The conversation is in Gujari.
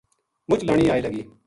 مُچ لانی آئے لگی